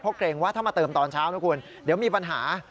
เพราะเกรงว่าถ้ามาเติมตอนเช้านะคุณเดี๋ยวมีปัญหา